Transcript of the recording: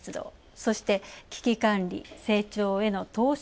そして危機管理、成長への投資。